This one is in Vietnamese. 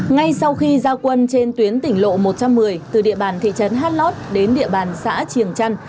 ngay sau khi giao quân trên tuyến tỉnh lộ một trăm một mươi từ địa bàn thị trấn hát lót đến địa bàn xã triềng trăn